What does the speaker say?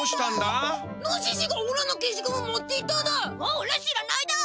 おらしらないだ。